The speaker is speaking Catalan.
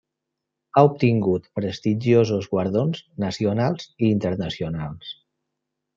Ha obtingut prestigiosos guardons, nacionals i internacionals.